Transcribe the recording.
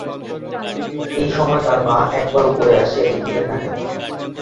এই সময় তাহার মা একবার উপরে আসিয়া দেখিল না কেন?